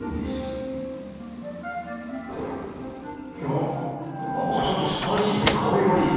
おお何かちょっとスパイシーで香りがいい！